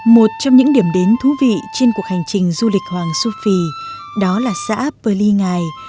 một trong những điểm đến thú vị trên cuộc hành trình du lịch hoàng su phi đó là xã peli ngai